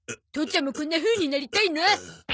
父ちゃんもこんなふうになりたいの？